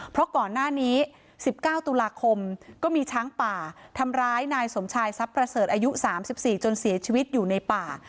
เพราะก่อนหน้านี้๑๙ตุลาคมก็มีช้างป่าทำร้ายนายสมชายทรัพย์ประเสริฐอายุ๓๔จนเสียชีวิตอยู่ในป่า